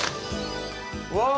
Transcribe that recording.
うわ！